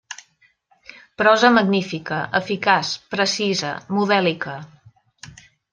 Prosa magnífica, eficaç, precisa, modèlica.